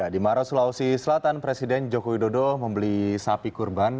di maros sulawesi selatan presiden joko widodo membeli sapi kurban